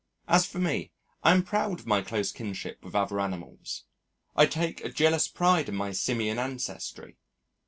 As for me, I am proud of my close kinship with other animals. I take a jealous pride in my Simian ancestry.